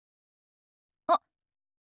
あっ。